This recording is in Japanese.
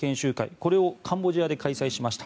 これをカンボジアで開催しました。